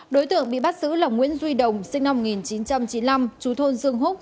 đối tượng bị bắt giữ là nguyễn duy đồng sinh năm một nghìn chín trăm chín mươi năm chú thôn dương húc